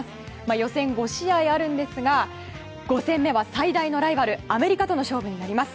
予選５試合あるんですが５戦目は最大のライバルアメリカとの勝負になります。